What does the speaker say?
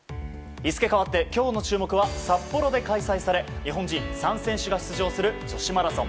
日付変わって今日の注目は札幌で開催され日本人３選手が参加する女子マラソン。